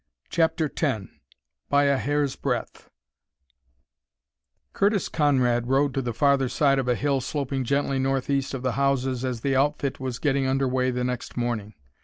CHAPTER X BY A HAIR'S BREADTH Curtis Conrad rode to the farther side of a hill sloping gently northeast of the houses as the outfit was getting under way the next morning.